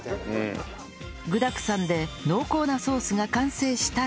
具だくさんで濃厚なソースが完成したら